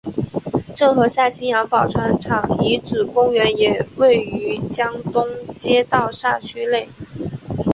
郑和下西洋宝船厂遗址公园也位于江东街道辖区内。